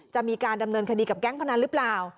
จะมีการดำเนินคดีกับแก๊งพนันหรือเปล่า